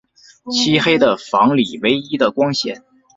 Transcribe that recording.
漆黑的房里唯一的光线